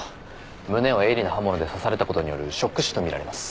胸を鋭利な刃物で刺された事によるショック死とみられます。